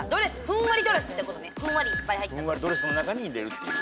ふんわりドレスの中に入れるっていう。